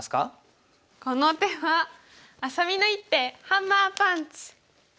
この手はあさみの一手ハンマーパンチ！